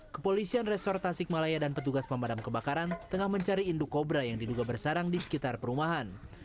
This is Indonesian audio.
kepolisian resor tasikmalaya dan petugas pemadam kebakaran tengah mencari induk kobra yang diduga bersarang di sekitar perumahan